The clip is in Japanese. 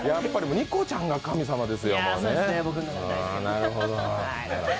にこちゃんが神様ですよ。